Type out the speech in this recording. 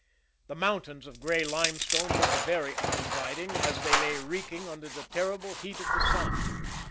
The mountains of gray limestone looked very uninviting as they lay reeking under the terrible heat of the sun.